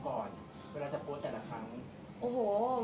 ใช้ตัวนรุมไว้หรือก็ต้องกันกองก่อน